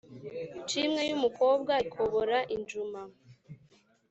nshimwe y'umukobwa ikobora injuma